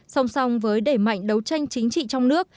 song song với đẩy mạnh đấu tranh chính trị trong nước